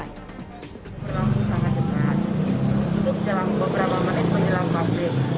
langsung sangat cepat hidup dalam beberapa menit menjelang pabrik